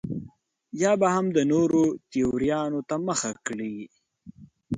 یا به هم د نورو تیوریانو ته مخه کړي.